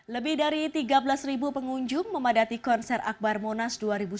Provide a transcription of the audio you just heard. lebih dari tiga belas pengunjung memadati konser akbar monas dua ribu sembilan belas